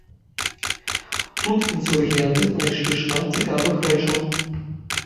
Тут інсургенты знайшлі шмат цікавых рэчаў.